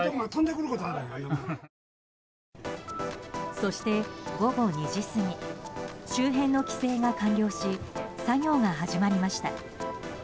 そして午後２時過ぎ周辺の規制が完了し作業が始まりました。